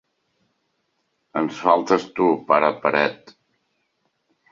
Ens faltes tu, pare paret.